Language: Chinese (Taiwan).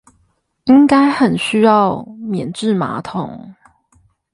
應該很需要免治馬桶